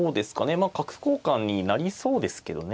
まあ角交換になりそうですけどね。